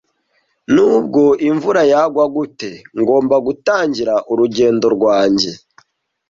Nubwo imvura yagwa gute, ngomba gutangira urugendo rwanjye.